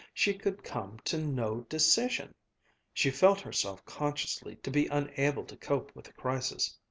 She could come to no decision! She felt herself consciously to be unable to cope with the crisis.